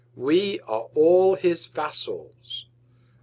We are all his Vassals.